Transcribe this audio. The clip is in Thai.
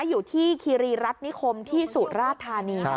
อยู่ที่คีรีรัฐนิคมที่สุราธานี